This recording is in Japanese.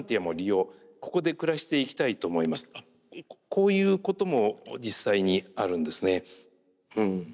こういうことも実際にあるんですね。